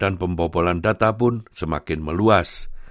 dan pembobolan data pun semakin meluas